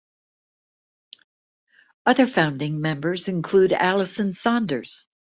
Other founding members include Alison Saunders.